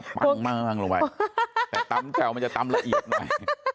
มั่งลงไปแต่ตำแจ่วมันจะตำละเอียดหน่อย